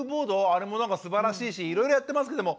あれもすばらしいしいろいろやってますけども。